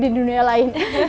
di negara negara lain juga